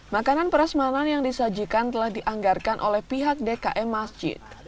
makanan perasmanan yang disajikan telah dianggarkan oleh pihak dkm masjid